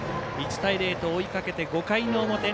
１対０と追いかけて、５回の表。